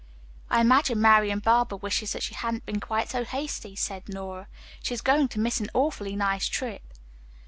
"I imagine Marian Barber wishes that she hadn't been quite so hasty," said Nora. "She is going to miss an awfully nice trip."